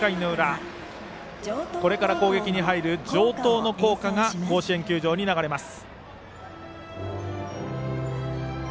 そして、これから攻撃に入る城東の校歌が甲子園球場に流れます。